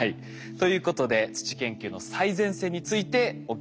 ということで土研究の最前線についてお聞きしていきましょう。